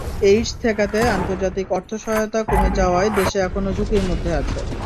AIDS ঠেকাতে আন্তর্জাতিক অর্থ-সহায়তা কমে যাওয়ায় দেশ এখনো ঝুঁকির মধ্যে আছে।